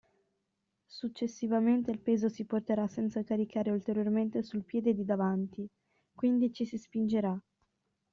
Successivamente il peso si porterà senza caricare ulteriormente sul piede di avanti, quindi ci si spingerà.